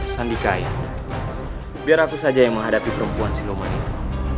sandika ya biar aku saja yang menghadapi perempuan siluman itu